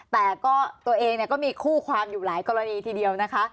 แต่ก็ตัวเองก็มีคู่ความอยู่หลายกรณีทีเดียวนะคะ